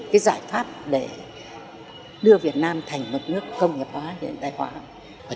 cái giải pháp để đưa việt nam thành một nước công nghiệp hóa hiện đại hóa